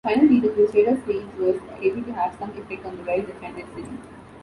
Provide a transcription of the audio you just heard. Finally the crusader siege was able to have some effect on the well-defended city.